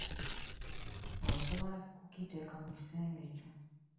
Osobola okukiteeka mu kisenge kyo.